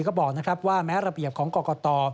ก็บอกว่าแม้ระเบียบของกรกฎ